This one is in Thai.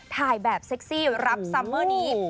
ถ่ายแบบเซ็กซี่รับซัมเมอร์นี้